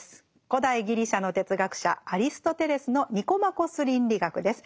古代ギリシャの哲学者アリストテレスの「ニコマコス倫理学」です。